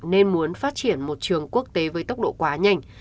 nên muốn phát triển một trường quốc tế với tốc độ quá nhanh